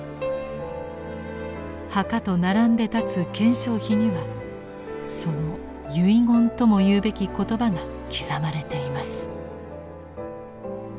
墓と並んで立つ顕彰碑にはその遺言とも言うべき言葉が刻まれています。